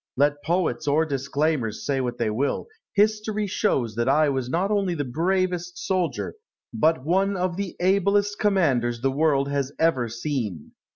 Let poets or declaimers say what they will, history shows that I was not only the bravest soldier, but one of the ablest commanders the world has ever seen.